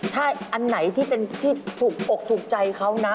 ถ้าอันไหนที่เป็นที่ถูกอกถูกใจเขานะ